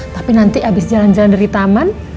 tapi nanti abis jalan jalan dari taman